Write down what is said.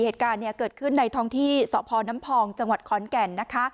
เหตุการณ์เกิดขึ้นในท้องที่สพน้ำภองจคอนแก่น